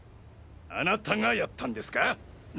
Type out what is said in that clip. あなたがやったんですか？